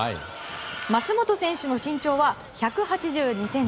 マスモト選手の身長は１８２ｃｍ。